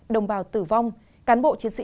đồng bào tử vong cán bộ chiến sĩ